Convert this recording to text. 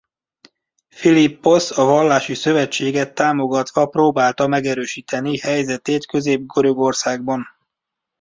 Philipposz a vallási szövetséget támogatva próbálta megerősíteni helyzetét Közép-Görögországban.